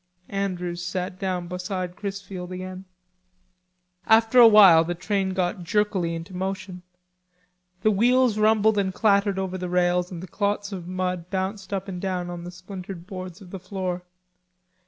Andrews sat down beside Chrisfield again. After a while the train got jerkily into motion. The wheels rumbled and clattered over the rails and the clots of mud bounced up and down on the splintered boards of the floor.